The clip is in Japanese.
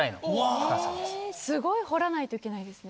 すごい掘らないといけないですね。